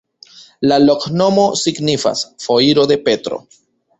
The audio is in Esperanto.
La loknomo signifas: foiro de Petro.